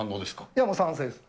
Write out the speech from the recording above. いや、もう賛成です。